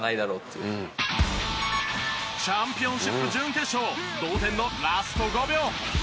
チャンピオンシップ準決勝同点のラスト５秒。